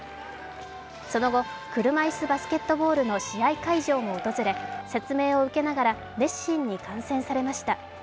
その後、車いすバスケットボールの試合会場も訪れ説明を受けながら、熱心に観戦されました。